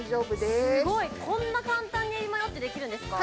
すごいこんな簡単にエビマヨってできるんですか？